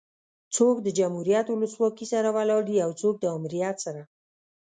څوک د جمهوريت ولسواکي سره ولاړ دي او څوک ده امريت سره